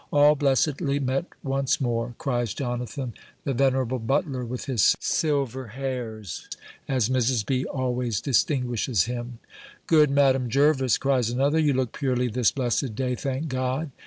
"All blessedly met once more!" cries Jonathan, the venerable butler, with his silver hairs, as Mrs. B. always distinguishes him: "Good Madam Jervis," cries another, "you look purely this blessed day, thank God!"